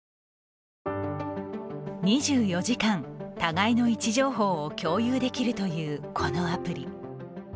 ２４時間、互いの位置情報を共有できるというこのアプリ。